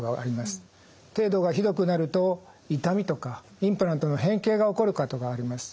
程度がひどくなると痛みとかインプラントの変形が起こることがあります。